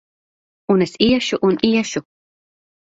Un es iešu un iešu!